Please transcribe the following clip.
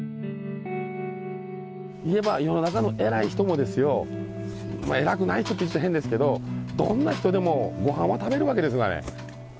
言えば世の中の偉い人もですよ偉くない人って言っちゃ変ですけどどんな人でもご飯は食べるわけですがね。